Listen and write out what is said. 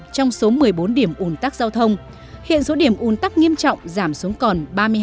trong số một mươi bốn điểm ủn tắc giao thông hiện số điểm un tắc nghiêm trọng giảm xuống còn ba mươi hai